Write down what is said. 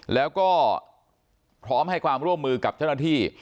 แล้วก็พร้อมให้ความร่วมมือกับเจ้าหน้าที่